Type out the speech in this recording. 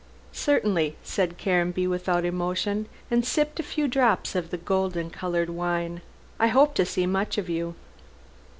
"Certainly," said Caranby without emotion, and sipped a few drops of the golden colored wine. "I hope to see much of you."